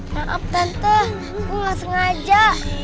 maaf tante gue gak sengaja